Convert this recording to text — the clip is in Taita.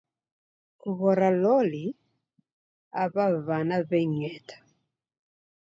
Kughora loli aw'a w'ana w'eng'eta